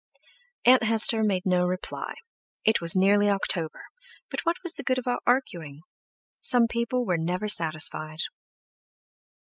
Aunt Hester made no reply; it was nearly October, but what was the good of arguing; some people were never satisfied.